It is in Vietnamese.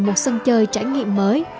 một sân chơi trải nghiệm mới